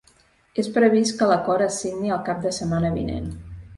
És previst que l’acord es signi el cap de setmana vinent.